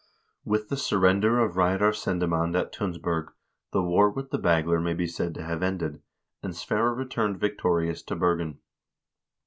With the surrender of Reidar Sendemand at Tunsberg the war with the Bagler may be said to have ended, and Sverre returned victorious to Bergen.